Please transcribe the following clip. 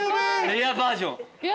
レアバージョン。